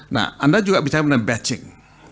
nah anda juga bisa menambah batching